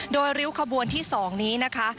โดยริ้วขบวนที่๒นี้นะคะ